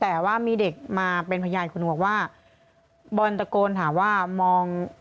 แต่ว่ามีเด็กมาเป็นพยานคุณหนูบอกว่าบอลตะโกนถามว่ามอง